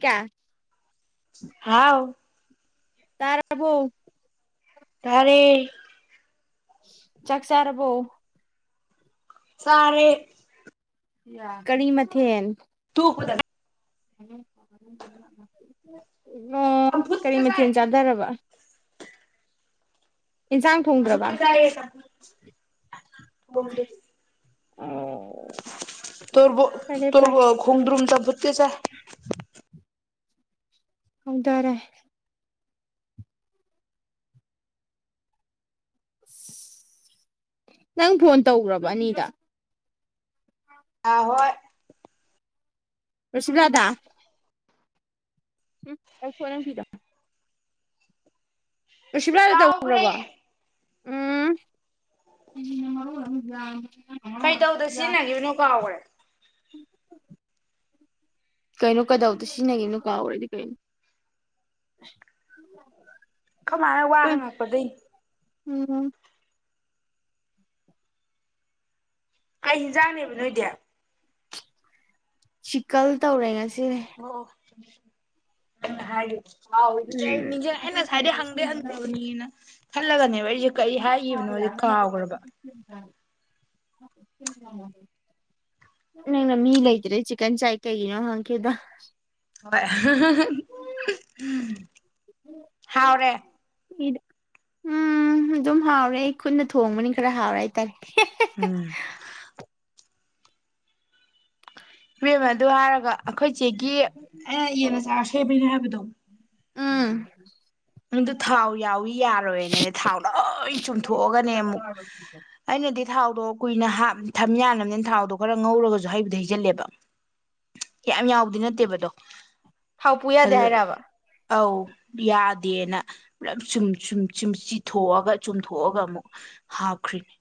ꯀꯌꯥ ꯍꯥꯎ ꯇꯔꯥꯕꯣ ꯇꯥꯔꯦ ꯆꯥꯛ ꯆꯥꯥꯔꯕꯣ ꯆꯥꯔꯦ ꯀꯔꯤ ꯃꯊꯦꯟ ꯇꯣꯛꯃꯗ ꯉꯥꯏ ꯑꯣ ꯀꯔꯤ ꯆꯝꯐꯨꯠꯀ ꯆꯥꯏ ꯃꯊꯦꯜ ꯆꯥꯗꯔꯕꯥ ꯏꯟꯁꯥꯡ ꯊꯣꯡꯗ꯭ꯔꯕ ꯆꯝꯐꯨꯠꯀ ꯂꯥꯏꯔꯤ ꯆꯝꯐꯨꯠ ꯃꯨꯟꯗꯦ ꯑꯣ ꯇꯣꯔꯕꯣꯠ ꯐꯔꯦ ꯐꯔꯦ ꯇꯣꯔꯕꯣꯠ ꯈꯣꯡꯗ꯭ꯔꯨꯨꯝ ꯆꯝꯐꯨꯠꯀ ꯆꯥꯏ ꯍꯥꯎꯗꯔꯦ ꯅꯪ ꯐꯣꯟ ꯇꯧꯒ꯭ꯔꯕ ꯑꯅꯤꯗ ꯑꯥ ꯍꯣꯏ ꯔꯣꯁꯤꯂꯥꯗ ꯎꯝ ꯑꯩ ꯐꯣ ꯅꯪ ꯐꯤꯗꯣ ꯔꯣꯁꯤꯂꯥꯗ ꯀꯥꯎꯒ꯭ꯔꯦ ꯇꯧꯒ꯭ꯔꯕꯣ ꯎꯝ ꯆꯤꯅꯤꯅ ꯃꯔꯣꯟꯃ ꯌꯥꯝꯕꯅꯦ ꯀꯩꯗꯧꯗ ꯁꯤꯖꯤꯟꯅꯒꯤꯕꯅꯣ ꯀꯥꯎꯒꯔꯦ ꯀꯩꯅꯣ ꯀꯗꯧꯗ ꯁꯤꯖꯤꯟꯅꯒꯤꯅꯣ ꯀꯥꯎꯒꯔꯦꯗꯤ ꯀꯩꯅꯣ ꯈꯣꯃꯥꯅ ꯋꯥ ꯍꯪꯉꯛꯄ ꯑꯗꯨꯏꯅꯤ ꯎꯝ ꯀꯩ ꯍꯦꯟꯖꯥꯡꯅꯦꯕ ꯅꯣꯏꯗꯤ ꯆꯤꯛꯀꯜ ꯇꯧꯔꯦ ꯉꯁꯤꯒꯤ ꯅꯪꯅ ꯍꯥꯏꯗꯨꯏꯗꯣ ꯑꯥꯎ ꯅꯤꯡꯖꯪꯉꯦ ꯎꯝ ꯅꯤꯡꯖꯪꯉꯦ ꯑꯩꯅ ꯉꯁꯥꯏꯗꯩ ꯍꯪꯗꯤ ꯍꯪꯒ꯭ꯔꯕꯅꯦꯅ ꯈꯜꯂꯒꯅꯦꯕ ꯑꯩꯖꯦ ꯀꯩ ꯍꯥꯏꯒꯤꯕꯅꯣ ꯖꯦ ꯀꯥꯎꯒ꯭ꯔꯕ [unintelligible] ꯅꯪꯅ ꯃꯤ ꯂꯩꯇ꯭ꯔꯦ ꯆꯤꯛꯀꯟ ꯆꯥꯏ ꯀꯩꯒꯤꯅꯣ ꯍꯪꯉꯛꯈꯤꯕꯗꯣ ꯍꯣꯏ ꯍ ꯍ ꯍ ꯏꯗ ꯎꯝ ꯑꯗꯨꯝ ꯍꯥꯎꯔꯦ ꯑꯩ ꯈꯨꯠꯅ ꯊꯣꯡꯕꯅꯤ ꯈꯔ ꯍꯥꯎꯔꯦ ꯍꯥꯏꯇꯥꯏꯔꯦ ꯑꯥ ꯏꯕꯦꯝꯃ ꯑꯗꯨ ꯍꯥꯏꯔꯒ ꯑꯈꯣꯏꯆꯦꯒꯤ ꯑꯩꯅ ꯌꯦꯟ ꯑꯆꯥꯔ ꯁꯦꯝꯕꯤꯅꯦ ꯍꯥꯏꯕꯗꯣ ꯎꯝ ꯃꯗꯨ ꯊꯥꯎ ꯌꯥꯎꯋꯤ ꯌꯥꯔꯣꯏꯑꯦꯅꯅꯦ ꯊꯥꯎ ꯂꯣꯏ ꯆꯨꯝꯊꯣꯛꯑꯒꯅꯦ ꯑꯃꯨꯛ ꯑꯩꯅꯗꯤ ꯊꯥꯎꯗꯣ ꯀꯨꯏꯅ ꯍꯥꯞ ꯊꯝ ꯌꯥꯅꯕꯅꯦꯅ ꯊꯥꯎꯗꯣ ꯈꯔ ꯉꯧꯔꯒꯖꯨ ꯍꯩꯕꯨꯗꯤ ꯍꯩꯖꯜꯂꯦꯕ ꯌꯥꯝ ꯌꯥꯎꯕꯗꯤ ꯅꯠꯇꯦꯕꯗꯣ ꯊꯥꯎꯄꯨ ꯌꯥꯗꯦ ꯑꯗꯨ ꯍꯥꯏꯔꯕ ꯑꯧ ꯌꯥ ꯗꯦꯅ ꯄꯨꯂꯞ ꯆꯨꯝ ꯆꯨꯝ ꯆꯨꯝ ꯆꯤꯊꯣꯛꯑꯒ ꯆꯨꯝꯊꯣꯛꯑꯒ ꯑꯃꯨꯛ ꯍꯥꯞꯈ꯭ꯔꯤꯅꯦ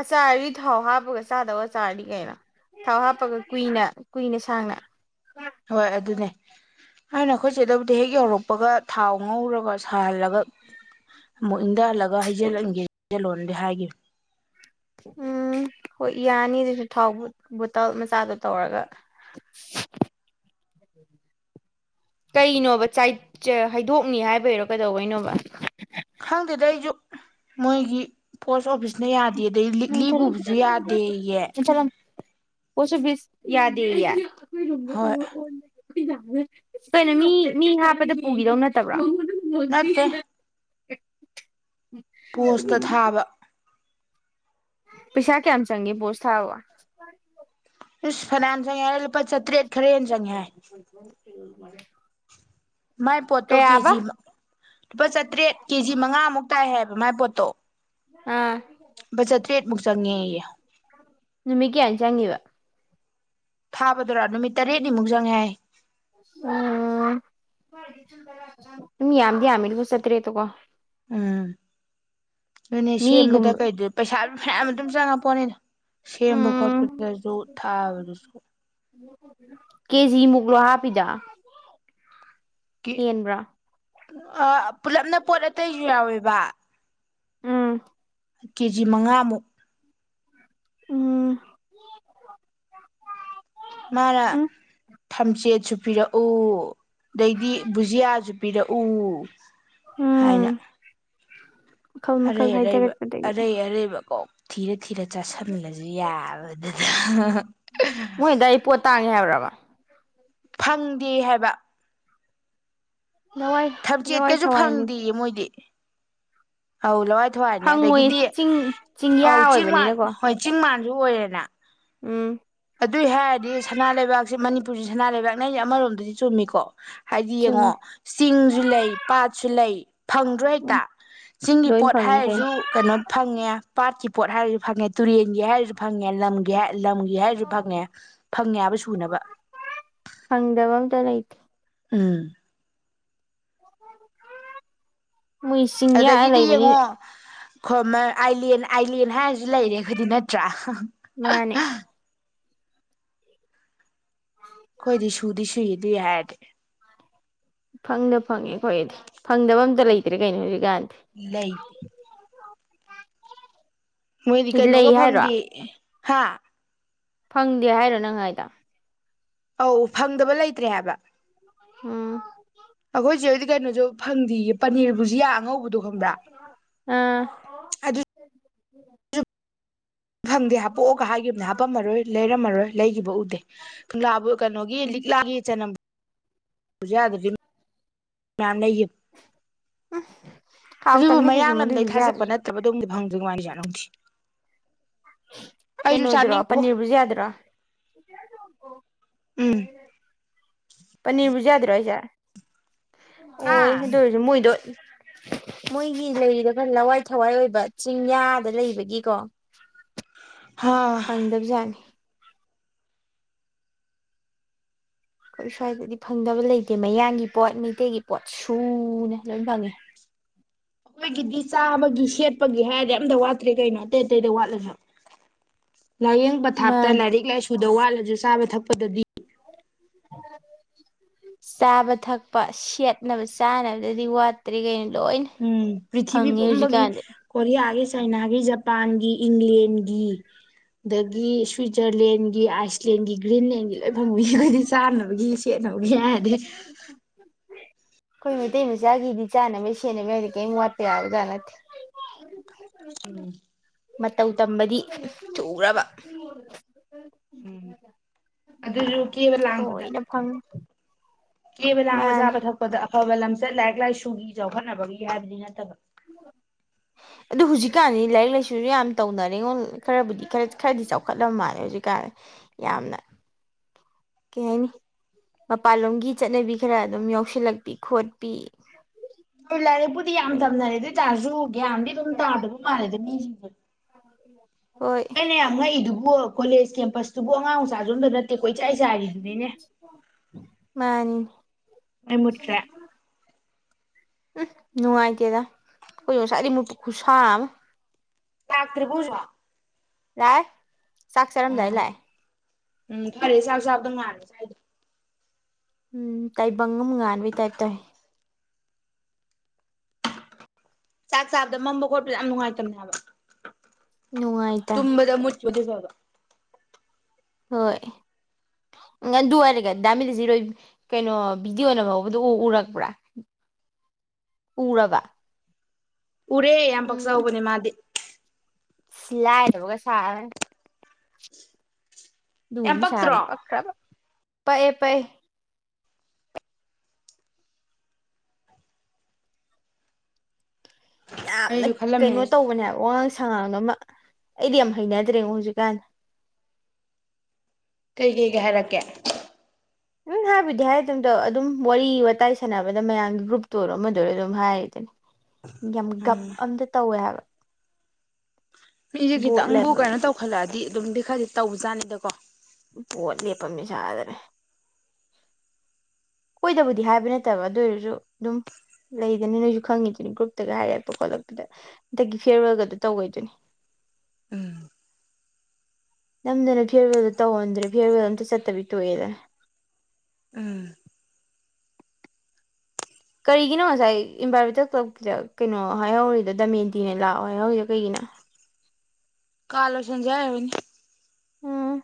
ꯑꯆꯥꯔꯗꯤ ꯊꯥꯎ ꯍꯥꯞꯄꯒ ꯆꯥꯗꯧ ꯑꯆꯥꯔꯅꯤ ꯀꯩꯅꯣ ꯊꯥꯎ ꯍꯥꯞꯄꯒ ꯀꯨꯏꯅ ꯀꯨꯏꯅ ꯁꯥꯡꯅ ꯍꯣꯏ ꯑꯗꯨꯅꯦ ꯑꯩꯅ ꯑꯈꯣꯏ ꯆꯦꯗꯕꯨꯗꯤ ꯍꯦꯛ ꯌꯧꯔꯛꯄꯒ ꯊꯥꯎ ꯉꯧꯔꯒ ꯁꯥꯍꯜꯂꯒ ꯃꯨꯠ ꯏꯪꯗꯍꯜꯂꯒ ꯍꯩꯖꯤꯜꯍꯟꯒꯦ ꯍꯩꯖꯜꯂꯣꯅꯗꯤ ꯍꯥꯏꯒꯤꯕꯅꯦ ꯎꯝ ꯍꯣꯏ ꯌꯥꯅꯤ ꯑꯗꯨꯁꯨ ꯊꯥꯎ ꯕꯨ ꯕꯨꯇꯜ ꯃꯆꯥꯗꯣ ꯇꯧꯔꯒ [inaudible] ꯀꯩꯅꯣꯕ ꯆꯥꯏ ꯍꯩꯗꯣꯛꯅꯤ ꯍꯥꯏꯕꯩꯔ ꯀꯗꯧꯕꯩꯅꯣꯕ ꯈꯪꯗꯦꯗ ꯑꯩꯖꯨ ꯃꯣꯏꯒꯤ ꯄꯣꯁ ꯑꯣꯐꯤꯁꯅ ꯌꯥ ꯅꯨꯡꯊꯤꯜ ꯀꯦꯟꯊꯂꯝ ꯄꯣꯁ ꯑꯣꯐꯤꯁ ꯌꯥꯗꯦ ꯌꯦ ꯍꯣꯏ ꯀꯩꯅꯣ ꯃꯤ ꯃꯤ ꯍꯥꯞꯄꯗ ꯄꯨꯒꯤꯗꯧ ꯅꯠꯇꯕ꯭ꯔꯣ ꯎꯝ ꯅꯠꯇꯦ ꯄꯣꯁꯇ ꯊꯥꯕ ꯄꯩꯁꯥ ꯀꯌꯥꯝ ꯆꯪꯒꯦ ꯄꯣꯁ ꯊꯥꯔꯨꯕ ꯏꯁ ꯐꯅꯥꯟ ꯆꯣꯉꯦꯍꯦ ꯂꯨꯄꯥ ꯆꯠꯇ꯭ꯔꯦꯠ [unintelligible] ꯃꯥꯏ ꯄꯣꯠꯇꯣ ꯀꯌꯥꯕ ꯀꯦꯖꯤ ꯃ ꯂꯨꯄꯥ ꯆꯥꯇ꯭ꯔꯦꯠ ꯀꯦ ꯖꯤ ꯃꯉꯥꯃꯨꯛ ꯇꯥꯏ ꯍꯥꯏꯕ ꯃꯥꯏ ꯄꯣꯠꯇꯣ ꯑꯥ ꯂꯨꯄꯥ ꯆꯥꯇ꯭ꯔꯦꯠꯃꯨꯛ ꯆꯪꯉꯦꯌꯦ ꯅꯨꯃꯤꯠ ꯀꯌꯥꯅꯤ ꯆꯪꯉꯤꯕ ꯊꯥꯕꯗꯨꯔꯥ ꯅꯨꯃꯤꯠ ꯇꯔꯦꯠꯅꯤꯃꯨꯛ ꯆꯪꯉꯦ ꯍꯥꯏ ꯎꯝ ꯃꯤ ꯌꯥꯝꯗꯤ ꯌꯥꯝꯃꯦ ꯂꯧꯄꯥ ꯆꯇ꯭ꯔꯦꯠꯇꯣꯀꯣ ꯎꯝ ꯑꯗꯨꯅꯦ ꯁꯦꯝꯕꯗ ꯃꯤꯒꯨꯝꯕ ꯀꯩꯗ ꯄꯩꯁꯥ ꯐꯅꯌꯥꯝ ꯑꯗꯨꯝ ꯆꯪꯉꯄꯣꯠꯅꯤꯗ ꯁꯦꯝꯕ ꯎꯝ ꯈꯣꯠꯄꯗꯨꯗꯁꯨ ꯊꯥꯕꯗꯁꯨ ꯀꯦꯖꯤꯃꯨꯛ ꯂꯣ ꯍꯥꯞꯄꯤꯗꯣ ꯀꯤ ꯍꯦꯟꯕ꯭ꯔꯥ ꯑ ꯄꯨꯂꯞꯅ ꯄꯣꯠ ꯑꯇꯩꯁꯨ ꯌꯥꯎꯋꯦꯕ ꯎꯝ ꯀꯦꯖꯤ ꯃꯉꯥꯃꯨꯛ ꯎꯝ ꯃꯥꯔꯥ ꯎꯝ ꯊꯝꯆꯦꯠꯁꯨ ꯄꯤꯔꯛꯎ ꯑꯗꯩꯗꯤ ꯕꯨꯖꯤꯌꯥꯁꯨ ꯄꯤꯔꯛꯎ ꯍꯥꯏꯅ ꯎꯝ ꯃꯈꯜ ꯃꯈꯜ ꯑꯔꯩ ꯑꯔꯩꯕ ꯍꯥꯏꯊꯔꯛꯄꯗꯒꯤ ꯑꯔꯩ ꯑꯔꯩꯕꯀꯣ ꯊꯤꯔ ꯊꯤꯔ ꯆꯥꯥꯁꯟꯂꯁꯨ ꯌꯥꯕꯗꯨꯗ ꯍꯍꯍ ꯃꯣꯏ ꯑꯗꯥꯏ [unintelligible] ꯐꯪꯗꯦ ꯍꯥꯏꯕ ꯂꯋꯥꯏ ꯊꯝꯆꯦꯠ ꯂꯋꯥꯏ ꯀꯥꯁꯨ ꯊꯋꯥꯏꯅꯤ ꯐꯪꯗꯦꯌꯦ ꯃꯣꯏꯗꯤ ꯂꯋꯥꯏ ꯊꯋꯥꯏꯅꯦ ꯐꯪꯉꯣꯏ ꯑꯗꯒꯤꯗꯤ ꯆꯤꯡ ꯆꯤꯡꯌꯥ ꯑꯎ ꯆꯤꯡ ꯃꯥꯟ ꯑꯣꯏꯕꯅꯤꯅꯀꯣ ꯍꯣꯏ ꯆꯤꯡ ꯃꯥꯟꯁꯨ ꯑꯣꯏꯔꯦꯅ ꯎꯝ ꯑꯗꯨꯏ ꯍꯥꯏꯔꯗꯤ ꯁꯅꯥ ꯂꯩꯕꯥꯛꯁꯦ ꯃꯅꯤꯄꯨꯔꯁꯦ ꯁꯅꯥ ꯂꯩꯕꯥꯛꯅꯦ ꯍꯥꯢꯁꯦ ꯑꯃꯔꯣꯝꯗꯗꯤ ꯆꯨꯝꯃꯤꯀꯣ ꯍꯥꯏꯗꯤ ꯌꯦꯡꯉꯣ ꯆꯨꯝꯃꯦ ꯆꯤꯡꯁꯨ ꯂꯩ ꯄꯥꯠꯁꯨ ꯂꯩ ꯐꯪꯗ꯭ꯔꯣ ꯍꯦꯛꯇ ꯎꯝ ꯆꯤꯡꯒꯤ ꯂꯣꯏ ꯄꯣꯠ ꯐꯪꯉꯤ ꯍꯥꯏꯔꯁꯨ ꯀꯩꯅꯣ ꯐꯪꯉꯦ ꯄꯥꯠꯀꯤ ꯄꯣꯠ ꯍꯥꯏꯔꯁꯨ ꯐꯪꯉꯦ ꯇꯨꯔꯦꯟꯒꯤ ꯍꯥꯏꯔꯁꯨ ꯐꯪꯉꯦ ꯂꯝꯒꯤ ꯂꯝꯒꯤ ꯍꯥꯏꯔꯁꯨ ꯐꯪꯉꯦ ꯐꯪꯉꯦ ꯍꯥꯏꯕ ꯁꯨꯅꯕ ꯐꯪꯗꯕ ꯑꯝꯇ ꯂꯩꯇꯦ ꯎꯝ ꯃꯣꯏ ꯆꯤꯡꯌꯥ ꯑꯗꯒꯤꯗꯤ ꯂꯩꯕꯅꯤꯅ ꯌꯦꯡꯉꯣ ꯈꯃꯔ ꯑꯥꯏꯂꯦꯟ ꯑꯥꯏꯂꯦꯟ ꯍꯥꯏꯔꯁꯨ ꯂꯩꯔꯦ ꯑꯩꯈꯣꯏꯗꯤ ꯅꯠꯇ꯭ꯔꯥ ꯃꯥꯅꯦ ꯑꯩꯈꯣꯏꯗꯤ ꯁꯨꯗꯤ ꯁꯨꯏ ꯑꯗꯨꯢ ꯍꯥꯏꯔꯗꯤ ꯐꯪꯗ ꯐꯪꯉꯦ ꯑꯩꯈꯣꯏꯗꯤ ꯐꯪꯗꯕ ꯑꯝꯇ ꯂꯩꯇ꯭ꯔꯦ ꯀꯩꯅꯣ ꯍꯧꯖꯤꯛꯀꯥꯟꯗꯤ ꯂꯩꯇꯦ ꯃꯣꯏꯗꯤ ꯂꯩ ꯀꯩꯅꯣꯒ ꯍꯥꯏꯔꯣ ꯐꯪꯗꯦ ꯍꯥ ꯐꯪꯗꯦ ꯍꯥꯏꯔꯣ ꯅꯪ ꯍꯥꯏꯗꯣ ꯑꯧ ꯐꯪꯗꯕ ꯂꯩꯇ꯭ꯔꯦ ꯍꯥꯏꯕ ꯑꯝ ꯑꯩꯈꯣꯏꯆꯦ ꯑꯣꯏꯗꯤ ꯀꯩꯅꯣꯁꯨ ꯐꯪꯗꯤꯌꯦ ꯄꯅꯤꯔꯕꯨꯖꯤꯌꯥ ꯑꯉꯧꯕꯗꯣ ꯈꯕ꯭ꯔꯥ ꯑꯗꯨ ꯎꯝ ꯐꯪꯗꯦ ꯍꯥꯄꯣꯛꯑꯣꯒ ꯍꯥꯏꯒꯤꯕꯅꯦ ꯍꯥꯄꯝꯃꯔꯣꯏ ꯂꯩꯔꯝꯃꯔꯣꯏ ꯂꯩꯒꯤꯕ ꯎꯗꯦ ꯀꯪꯂꯥꯕꯨ ꯀꯩꯅꯣꯒꯤ ꯎꯝ ꯂꯤꯛꯂꯥꯒꯤ ꯆꯅꯝ ꯕꯨꯖꯤꯌꯥꯗꯨꯖꯨ ꯂꯥ ꯑꯗꯨꯕꯨ ꯍꯥꯎꯇꯝꯅꯦ ꯀꯩꯁꯨ ꯃꯌꯥꯡ ꯃꯗꯨꯏ ꯂꯝꯗꯩ ꯊꯥꯖꯤꯜꯂꯛꯄ ꯕꯨꯖꯤꯌꯥꯗꯨꯁꯨ ꯅꯠꯇꯕꯗꯨꯝꯗꯤ ꯐꯪ [unintelligible] ꯀꯩꯅꯣꯗꯨꯔꯣ ꯄꯅꯤꯔ ꯕꯨꯖꯤꯌꯥꯗꯨꯔꯣ ꯎꯝ ꯖꯦ ꯍꯥ ꯑꯣꯢ ꯑꯗꯨ ꯑꯣꯢꯔꯁꯨ ꯃꯣꯏꯗꯣ ꯃꯣꯏꯒꯤ ꯂꯩꯔꯤꯗꯣ ꯈꯔ ꯂꯋꯥꯏ ꯊꯋꯥꯏ ꯑꯣꯏꯕ ꯆꯤꯡꯌꯥꯗ ꯂꯩꯕꯒꯤꯀꯣ ꯍꯥ ꯐꯪꯗꯕ ꯖꯥꯠꯅꯤ ꯈꯣꯏ ꯁ꯭ꯋꯥꯏꯗꯗꯤ ꯐꯪꯗꯕ ꯂꯩꯇꯦ ꯃꯌꯥꯡꯒꯤ ꯄꯣꯠ ꯃꯩꯇꯩꯒꯤ ꯄꯣꯠ ꯁꯨꯅ ꯂꯣꯏ ꯐꯪꯉꯦ [inaudible] ꯑꯈꯣꯏꯒꯤꯗꯤ ꯆꯥꯕꯒꯤ ꯁꯦꯠꯄꯒꯤ ꯍꯥꯏꯔꯗꯤ ꯑꯝꯇ ꯋꯥꯠꯇ꯭ꯔꯦ ꯀꯩꯅꯣ ꯑꯇꯩ ꯑꯇꯩꯗ ꯋꯥꯠꯂꯖꯨ ꯂꯥꯏꯌꯦꯡ ꯄꯊꯥꯞꯇ ꯃꯥꯅꯤ ꯂꯥꯏꯔꯤꯛ ꯂꯥꯏꯁꯨꯗ ꯋꯥꯠꯂꯖꯨ ꯆꯥꯕ ꯊꯛꯄꯗꯗꯤ [unintelligible] ꯆꯥꯕ ꯊꯛꯄ ꯁꯦꯠꯅꯕ ꯆꯥꯅꯕꯗꯗꯤ ꯋꯥꯠꯇ꯭ꯔꯦ ꯀꯩꯅꯣ ꯂꯣꯏꯅ ꯎꯝ ꯄ꯭ꯔꯤꯊꯤꯕꯤ ꯐꯪꯉꯦ ꯄꯨꯝꯕꯒꯤ ꯍꯧꯖꯤꯛꯀꯥꯟꯗꯤ ꯀꯣꯔꯤꯌꯥꯒꯤ ꯆꯥꯏꯅꯥꯒꯤ ꯖꯄꯥꯟꯒꯤ ꯏꯪꯂꯦꯟꯒꯤ ꯑꯗꯒꯤ ꯁ꯭ꯋꯤꯖꯔꯂꯦꯟꯒꯤ ꯑꯥꯏꯁꯂꯦꯟꯒꯤ ꯒ꯭ꯔꯤꯟꯂꯦꯟꯒꯤ ꯂꯣꯏ ꯐꯪꯕꯩ ꯑꯩꯈꯣꯏꯗꯤ ꯆꯥꯅꯕꯒꯤ ꯁꯦꯠꯅꯕꯒꯤ ꯍꯥꯏꯔꯗꯤ ꯈꯣꯏ ꯃꯩꯇꯩ ꯃꯆꯥꯒꯤꯗꯤ ꯆꯥꯅꯕ ꯁꯦꯟꯅꯕꯩ ꯍꯥꯏꯗꯤ ꯀꯩꯌꯝ ꯋꯥꯠꯇꯦ ꯍꯥꯏꯕꯖꯥ ꯅꯠꯇꯦ ꯎꯝ ꯃꯇꯧ ꯇꯝꯕꯗꯤ ꯊꯨꯒ꯭ꯔꯕ ꯎꯝ ꯑꯗꯨꯁꯨ ꯀꯦꯕ ꯂꯥꯡꯕꯗ ꯂꯣꯏꯅ ꯐꯪꯉꯤ ꯀꯦꯕ ꯂꯥꯡꯕ ꯆꯥꯕ ꯊꯛꯄꯗ ꯑꯐꯕ ꯂꯝꯆꯠ ꯂꯥꯏꯔꯤꯛ ꯂꯥꯏꯁꯨꯒꯤ ꯆꯥꯎꯈꯠꯅꯕꯒꯤ ꯍꯥꯏꯕꯗꯤ ꯅꯠꯇꯕ [inaudible] ꯑꯗꯨ ꯍꯧꯖꯤꯛꯀꯥꯟꯗꯤ ꯂꯥꯏꯔꯤꯛ ꯂꯥꯏꯁꯨꯖꯨ ꯌꯥꯝꯅ ꯇꯧꯅꯔꯉꯣ ꯈꯔꯕꯨꯗꯤ ꯈꯔ ꯈꯔꯗꯤ ꯆꯥꯎꯈꯠꯂꯕ ꯃꯥꯜꯂꯦ ꯍꯧꯖꯤꯛꯀꯥꯟ ꯌꯥꯝꯅ ꯀꯩ ꯍꯥꯏꯅꯤ ꯃꯄꯥꯟꯂꯣꯝꯒꯤ ꯆꯠꯅꯕꯤ ꯈꯔ ꯑꯗꯨꯝ ꯌꯥꯎꯁꯤꯜꯂꯛꯄꯤ ꯈꯣꯠꯄꯤ ꯍꯣꯏ ꯂꯥꯏꯔꯛꯄꯨꯗꯤ ꯌꯥꯝ ꯑꯗꯩ ꯇꯝꯅꯔꯦ ꯑꯗꯨꯏ ꯇꯥꯔꯖꯨ ꯌꯥꯟꯗꯤ ꯑꯗꯨꯝ ꯇꯥꯗꯕ ꯃꯥꯜꯂꯦꯗ ꯃꯤꯖꯤꯡꯖꯦ ꯍꯣꯏ ꯑꯩꯅ ꯌꯥꯝ ꯉꯛꯏꯗꯨꯕꯨ ꯕꯨ ꯀꯣꯂꯦꯖ ꯀꯦꯝꯄꯁꯇꯨꯕꯨ ꯑꯉꯥꯡ ꯃꯆꯥꯖꯨ ꯑꯝꯇ ꯅꯠꯇꯦ ꯀꯣꯏꯆꯥꯏ ꯆꯥꯏꯔꯤꯗꯨꯅꯤꯅꯦ ꯃꯥꯟꯅꯤꯅꯦ ꯃꯩ ꯃꯨꯠꯈ꯭ꯔꯦ ꯎꯝ ꯅꯨꯡꯉꯥꯏꯇꯦꯗ ꯈꯣꯏ ꯉꯁꯥꯏꯗꯩ ꯃꯨꯠꯄ ꯈꯨꯁꯥ ꯑꯃ ꯂꯥꯛꯇ꯭ꯔꯤꯕꯣ ꯍꯧꯖꯤꯛꯐꯥꯎ ꯂꯥꯏꯑꯦ ꯆꯥꯛ ꯆꯔꯝꯗꯥꯏ ꯑꯥ ꯂꯥꯛꯑꯦ ꯎꯝ ꯐꯔꯦ ꯆꯥꯛ ꯆꯥꯕꯗ ꯉꯥꯟꯅ ꯆꯥꯏꯗꯣ ꯎꯝ ꯇꯥꯏꯕꯪꯉꯝ ꯉꯥꯟꯕꯩ ꯇꯥꯏꯞ ꯇꯧꯑꯦ ꯆꯥꯛ ꯆꯥꯕꯗ ꯃꯝꯕ ꯈꯣꯠꯄꯖꯦ ꯌꯥꯝ ꯅꯨꯡꯉꯥꯏꯇꯕꯅꯦ ꯍꯥꯏꯕ ꯅꯨꯡꯉꯥꯏꯗ ꯌꯣꯠꯇꯤ ꯐꯕ ꯍꯣꯏ ꯎꯝ ꯑꯗꯨ ꯑꯣꯏꯔꯒ ꯗꯥꯃꯤꯗꯖꯤꯠꯍꯣꯏ ꯀꯩꯅꯣ ꯚꯤꯗꯤꯑꯣ ꯅꯝꯍꯧꯕꯗꯣ ꯎ ꯎꯔꯛꯄ꯭ꯔꯥ ꯎꯔꯒ ꯎꯔꯦ ꯌꯥꯝ ꯄꯛꯆꯍꯧꯕꯅꯦ ꯃꯥꯗꯤ ꯁꯤ ꯂꯥꯏꯔꯕꯒ ꯁꯥꯔ [inaudible] ꯌꯥꯝ ꯑꯗꯨꯒꯨꯝꯕ ꯄꯛꯇ꯭ꯔꯣ ꯁꯥꯕꯗꯤ ꯄꯛꯈ꯭ꯔꯕ ꯄꯛꯑꯦ ꯄꯛꯑꯦ ꯌꯥꯝꯅ ꯑꯩꯁꯨ ꯈꯜꯂꯝꯃꯦ ꯀꯩꯅꯣ ꯇꯧꯕꯅꯦ ꯍꯥꯏꯕ ꯋꯥꯉꯥꯡ ꯁꯥ ꯁꯉꯥꯡ ꯗꯣ ꯑꯃ ꯑꯩꯗꯤ ꯌꯥꯝ ꯍꯩꯅꯗ꯭ꯔꯦꯉꯣ ꯍꯧꯖꯤꯛꯀꯥꯟ ꯀꯩ ꯒꯩꯒ ꯍꯥꯏꯔꯛꯀꯦ ꯎꯝ ꯍꯥꯏꯕꯨꯗꯤ ꯍꯥꯏꯗꯦꯝ ꯑꯗꯣ ꯑꯗꯨꯝ ꯋꯥꯔꯤ ꯋꯥꯇꯥꯏ ꯁꯥꯟꯅꯕꯗ ꯃꯌꯥꯝꯒꯤ ꯒ꯭ꯔꯨꯞꯇ ꯑꯣꯏꯔꯣ ꯑꯃꯗ ꯑꯣꯏꯔꯣ ꯑꯗꯨꯝ ꯍꯥꯏꯔꯤꯗꯨꯅꯤ ꯌꯥꯝ ꯒꯞ ꯎꯝ ꯑꯝꯗ ꯇꯧꯋꯦ ꯍꯥꯏꯕ ꯃꯤꯖꯦ ꯕꯣꯠ ꯈꯤꯇꯪꯕꯨ ꯂꯦꯞꯄ ꯀꯩꯅꯣ ꯇꯧꯈꯠꯂꯛꯑꯗꯤ ꯑꯗꯨꯝꯗꯤ ꯈꯔꯗꯤ ꯇꯧꯕꯖꯥꯠꯅꯤꯗꯀꯣ ꯚꯣꯠ ꯂꯦꯞꯄꯝꯅꯤ ꯁꯥꯗꯅ ꯑꯈꯣꯏꯗꯕꯨꯗꯤ ꯍꯥꯏꯕ ꯅꯠꯇꯕ ꯑꯗꯨ ꯑꯣꯏꯔꯖꯨ ꯑꯗꯨꯝ ꯂꯩꯗꯅ ꯅꯣꯏꯖꯨ ꯈꯪꯉꯤꯗꯨꯅꯤ ꯒ꯭ꯔꯨꯞꯇꯒ ꯍꯥꯏꯔꯛꯄ ꯈꯣꯠꯂꯛꯄꯗ ꯑꯗꯒꯤ ꯐꯤꯌꯔꯋꯦꯜꯒꯗꯣ ꯇꯧꯋꯤꯗꯨꯅꯤ [inaudible] ꯎꯝ ꯅꯝꯗꯅ ꯐꯤꯌꯔꯋꯦꯜꯗꯣ ꯇꯧꯍꯟꯗ꯭ꯔꯦ ꯐꯤꯌꯔꯋꯦꯜ ꯑꯝꯇ ꯆꯠꯇꯕꯤ ꯇꯣꯛꯑꯦꯗꯅꯥ ꯎꯝ ꯀꯩꯒꯤꯅꯣ ꯉꯁꯥꯏ ꯏꯝꯕꯥꯏꯃꯦꯟꯇꯦꯜ ꯀ꯭ꯂꯀꯤꯗ ꯀꯩꯅꯣ ꯍꯥꯏꯍꯧꯔꯤꯗꯣ ꯗꯃꯦꯟꯇꯤꯅ ꯂꯥꯛꯑꯣ ꯍꯥꯏꯍꯧꯔꯤꯗꯣ ꯀꯩꯒꯤꯅꯣ [inaudible] ꯀꯥ ꯂꯣꯏꯁꯟꯖꯦ ꯍꯥꯏ ꯑꯣꯏꯔꯤꯅꯤ ꯎꯝ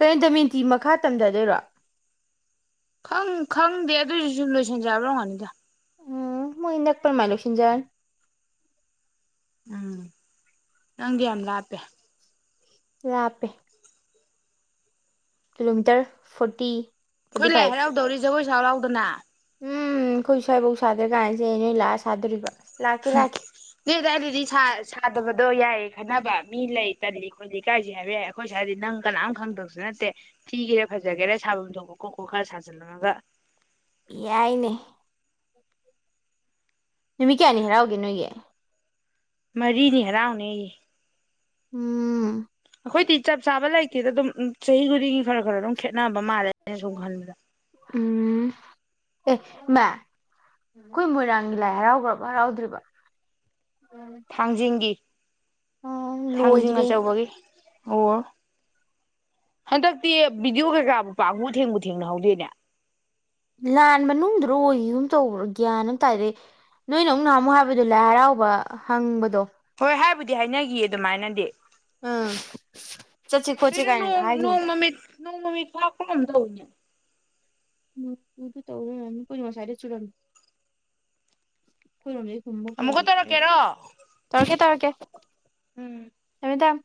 ꯀꯩꯅꯣ ꯗꯃꯦꯟꯇꯤ ꯃꯈꯥ ꯇꯝꯊꯗꯣꯏꯔꯣ ꯈꯪ ꯈꯪꯗꯦ ꯑꯗꯨꯏꯖꯨ ꯁꯨꯝ ꯂꯣꯏꯁꯟꯖꯦ ꯍꯥꯏꯕ ꯑꯣꯏꯔꯝꯒꯅꯤꯗꯥ ꯎꯝ ꯃꯣꯏꯅꯛꯄ ꯃꯥꯏ ꯂꯣꯏꯁꯤꯟꯖꯔꯅꯤ ꯎꯝ ꯅꯪꯗꯤ ꯌꯥꯝ ꯂꯥꯞꯄꯦ ꯂꯥꯞꯄꯦ ꯀꯤꯂꯣꯃꯤꯇꯔ ꯐꯣꯔꯇꯤ ꯑꯈꯣꯏ ꯐꯣꯔꯇꯤ ꯂꯥꯏ ꯐꯥꯏꯚ ꯍꯔꯥꯎꯗꯧꯔꯤ ꯖꯒꯣꯏ ꯁꯥꯎ ꯂꯥꯎꯗꯅꯥ ꯎꯝ ꯑꯈꯣꯏ ꯁ꯭ꯋꯥꯏꯕꯣꯛ ꯁꯥꯗ꯭ꯔꯀꯥꯟꯁꯤꯗ ꯅꯣꯏ ꯂꯥꯛꯑ ꯁꯥꯗꯣꯔꯤꯕ ꯂꯥꯛꯀꯦ ꯍꯨꯝ ꯂꯥꯛꯀꯦ ꯅꯣꯏ ꯑꯗꯥꯏꯗꯗꯤ ꯁꯥ ꯁꯥꯗꯕꯗꯣ ꯌꯥꯏꯌꯦ ꯈꯟꯅꯕ ꯃꯤ ꯂꯩ ꯇꯜꯂꯤ ꯈꯣꯠꯂꯤ ꯏꯀꯥꯏꯖꯩ ꯍꯥꯏꯕ ꯌꯥꯏ ꯑꯩꯈꯣꯏ ꯁꯥꯏꯗꯗꯤ ꯅꯪ ꯀꯅꯥꯝ ꯈꯪꯗꯧꯁꯨ ꯅꯠꯇꯦ ꯊꯤꯒꯦꯔ ꯐ ꯐꯖꯒꯦꯔ ꯁꯥꯕꯝ ꯊꯣꯛꯄ ꯀꯣꯛ ꯀꯣꯛ ꯈꯔ ꯁꯥꯖꯜꯂꯨꯔꯒ ꯌꯥꯏꯅꯦ ꯅꯨꯃꯤꯠ ꯀꯌꯥꯅꯤ ꯍꯔꯥꯎꯒꯦ ꯅꯣꯏꯒꯤ ꯃꯔꯤꯅꯤ ꯍꯔꯥꯎꯅꯦꯌꯦ ꯎꯝ ꯈꯣꯏꯗꯤ ꯆꯞ ꯆꯥꯕ ꯂꯩꯇꯦꯗ ꯑꯗꯨꯝ ꯆꯍꯤ ꯈꯨꯗꯤꯡꯒꯤ ꯈꯔ ꯈꯔ ꯑꯗꯨꯝ ꯈꯦꯠꯅꯕ ꯃꯥꯜꯂꯦ ꯑꯩꯅ ꯁꯨꯝ ꯈꯟꯕꯗ ꯎꯝ ꯑꯦ ꯏꯃꯥ ꯈꯣꯏ ꯃꯣꯏꯔꯥꯡꯒꯤ ꯂꯥꯏ ꯍꯔꯥꯎꯒ꯭ꯔꯕ ꯍꯔꯥꯎꯗ꯭ꯔꯤꯕ ꯊꯥꯡꯖꯤꯡꯒꯤ ꯎꯝ ꯊꯥꯡꯖꯤꯡ ꯂꯣꯏꯈ꯭ꯔꯦ ꯑꯆꯧꯕꯒꯤ ꯑꯣ [inaudible] ꯍꯟꯗꯛꯇꯤ ꯚꯤꯗꯤꯑꯣ ꯀꯩꯀꯥꯕꯨ ꯄꯥꯛꯕꯨ ꯊꯦꯡꯕꯨ ꯊꯦꯡꯅꯍꯧꯗꯦꯅꯦ ꯂꯥꯟ ꯃꯅꯨꯡꯗ꯭ꯔꯣ ꯑꯣꯏꯒꯤꯒꯨꯝ ꯇꯧꯕ꯭ꯔꯥ ꯒ꯭ꯌꯥꯟ ꯑꯃ ꯇꯗꯦ ꯅꯣꯏꯅ ꯑꯃꯨꯛ ꯅꯍꯝꯃꯨꯛ ꯍꯥꯏꯕꯗꯣ ꯂꯥꯏ ꯍꯔꯥꯎꯕ ꯍꯪꯕꯗꯣ ꯍꯣꯏ ꯍꯥꯏꯕꯨꯗꯤ ꯍꯥꯏꯅꯒꯤꯌꯦ ꯑꯗꯨꯃꯥꯏꯅꯗꯤ ꯑꯥ ꯆꯠꯁꯦ ꯈꯣꯠꯁꯦ ꯀꯩꯅꯣ ꯀꯥꯏꯅꯒ ꯅꯣꯡ ꯅꯣꯡ ꯍꯥꯏꯈꯤꯕꯗ ꯃꯃꯤꯠ ꯅꯣꯡꯃꯃꯤꯠ ꯈꯥꯛꯄ꯭ꯔ ꯀꯩꯅꯣꯝ ꯇꯧꯏꯅꯦ ꯑꯗꯨ ꯇꯧꯔꯤ ꯑꯣꯏꯔꯝꯅꯤ ꯑꯩꯈꯣꯏꯖꯨ ꯉꯁꯥꯏꯗ ꯆꯨꯔꯝꯃꯤ ꯑꯩꯈꯣꯏꯔꯣꯝꯗꯗꯤ ꯍꯨꯝꯃ ꯑꯃꯨꯛꯀ ꯄꯨꯒꯤꯕꯅꯤ ꯅꯣꯏꯗ ꯇꯧꯔꯛꯀꯦꯔꯣ ꯇꯧꯔꯛꯀꯦ ꯇꯧꯔꯛꯀꯦ ꯎꯝ ꯊꯃꯦ ꯊꯝ